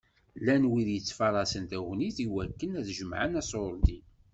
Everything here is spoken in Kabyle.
Llan wid yettfaṛaṣen tagnit i wakken ad d-jemεen aṣuṛdi.